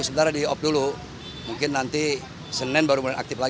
pendampingan kepada siswa